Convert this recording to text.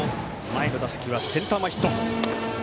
前の打席はセンター前ヒット。